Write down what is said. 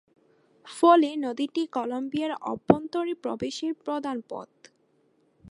ফলে নদীটি কলম্বিয়ার অভ্যন্তরে প্রবেশের প্রধান পথ।